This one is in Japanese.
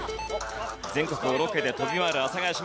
全国をロケで飛び回る阿佐ヶ谷姉妹。